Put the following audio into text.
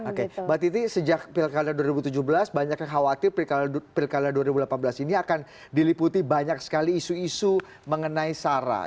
oke mbak titi sejak pilkada dua ribu tujuh belas banyak yang khawatir pilkada dua ribu delapan belas ini akan diliputi banyak sekali isu isu mengenai sarah